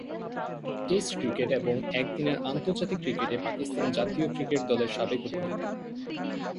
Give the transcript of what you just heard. Test cricket এবং একদিনের আন্তর্জাতিক ক্রিকেটে পাকিস্তান জাতীয় ক্রিকেট দলের সাবেক অধিনায়ক।